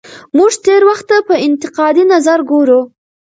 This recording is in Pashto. موږ تېر وخت ته په انتقادي نظر ګورو.